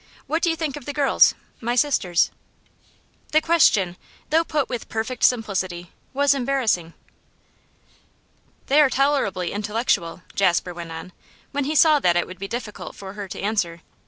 What do you think of the girls, my sisters?' The question, though put with perfect simplicity, was embarrassing. 'They are tolerably intellectual,' Jasper went on, when he saw that it would be difficult for her to answer.